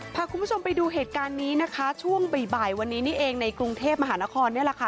พาคุณผู้ชมไปดูเหตุการณ์นี้นะคะช่วงบ่ายวันนี้นี่เองในกรุงเทพมหานครนี่แหละค่ะ